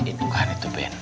itu kan itu ben